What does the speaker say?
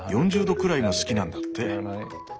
４０度くらいが好きなんだって。